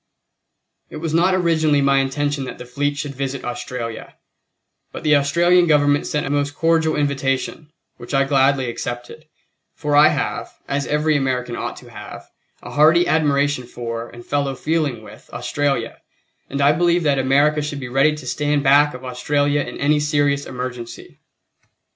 It was not originally my intention that the fleet should visit Australia, but the Australian Government sent a most cordial invitation, which I gladly accepted; for I have, as every American ought to have, a hearty admiration for, and fellow feeling with, Australia, and I believe that America should be ready to stand back of Australia in any serious emergency.